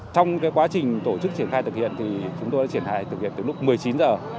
trong quá trình tổ chức triển khai thực hiện thì chúng tôi đã triển khai thực hiện từ lúc một mươi chín giờ